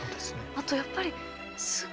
あとやっぱりうん。